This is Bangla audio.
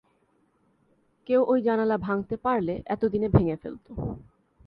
কেউ ওই জানালা ভাঙতে পারলে, এতোদিনে ভেঙে ফেলতো।